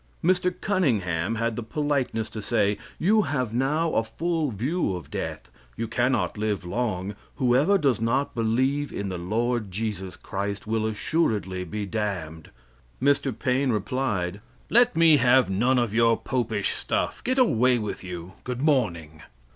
Mr. Cunningham had the politeness to say: "You have now a full view of death; you can not live long; whoever does not believe in the Lord Jesus Christ, will assuredly be damned." Mr. Paine replied: "Let me have none of your popish stuff. Get away with you. Good morning."